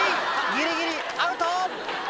ギリギリアウト！